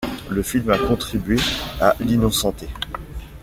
Le film a contribué à l'innocenter.